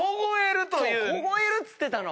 「凍える」っつってたの。